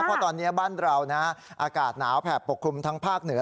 เพราะตอนนี้บ้านเรานะอากาศหนาวแผบปกคลุมทั้งภาคเหนือ